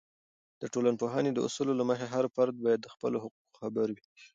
د ټولنپوهنې د اصولو له مخې، هر فرد باید د خپلو حقونو خبر وي.